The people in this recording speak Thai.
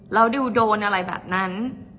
แล้วดิวโดนอะไรแบบนั้น